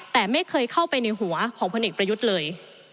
แต่ไม่เคยเข้าไปในหัวของพลเอกประยุทธ์เลย